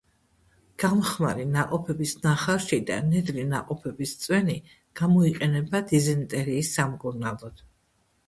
გამხმარი ნაყოფების ნახარში და ნედლი ნაყოფების წვენი გამოიყენება დიზენტერიის სამკურნალოდ.